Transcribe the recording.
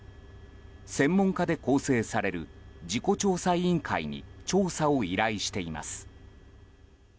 専門家で構成される事故調査委員会に調査を依頼しています。